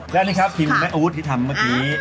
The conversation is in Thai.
และอันนี้ครับทิมแม้อาวุธที่ทำเมื่อกี้